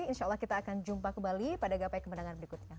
insya allah kita akan jumpa kembali pada gapai kemenangan berikutnya